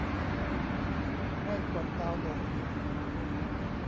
ให้กดดาวน์โหลด